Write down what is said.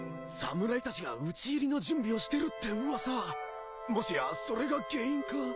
侍たちが討ち入りの準備をしてるって噂もしやそれが原因か？